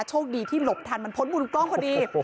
โชคดีที่หลบทันมันพ้นมุมกล้องพอดี